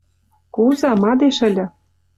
Куза, мадеш ыльы.